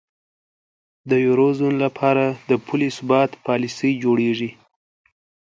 د یورو زون لپاره د پولي ثبات پالیسۍ جوړیږي.